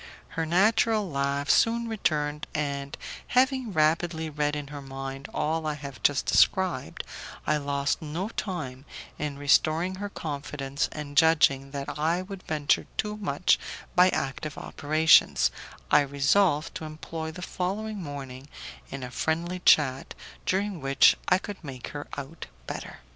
Her natural laugh soon returned, and, having rapidly read in her mind all I have just described, I lost no time in restoring her confidence, and, judging that I would venture too much by active operations, I resolved to employ the following morning in a friendly chat during which I could make her out better.